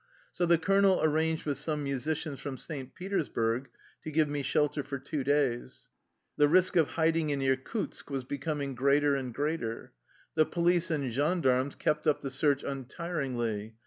So the 226 THE LIFE STOEY OF A EUSSIAN EXILE colonel arranged with some musicians from St. Petersburg to give me shelter for two days. The risk of hiding in Irkutsk was becoming greater and greater. The police and gendarmes kept up the search untiringly.